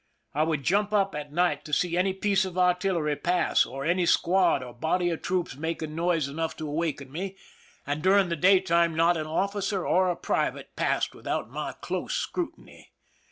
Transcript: I would jump up at night to see any piece of artillery pass, or any squad or body of troops making noise enough to 245 THE SINKING OF THE "MERRIMAC" awaken me, and during the daytime not an ofl&cer or a private passed without my close scrutiny.